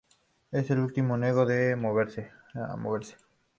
Este último se negó a moverse.